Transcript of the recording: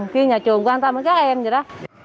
khi nhà trường quan tâm đến các em vậy đó